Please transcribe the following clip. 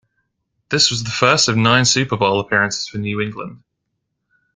This was the first of nine Super Bowl appearances for New England.